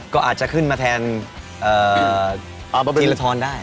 ก็อาจจะขึ้นมาแทนทีละท้อนได้